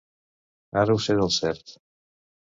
Ara ho sé del cert.